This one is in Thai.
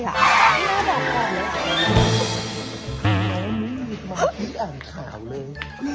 ดอมรถถ่ายไปดูอะไรมา